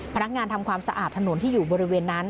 ทำความสะอาดถนนที่อยู่บริเวณนั้น